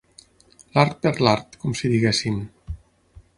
L'art per l'art, com si diguéssim.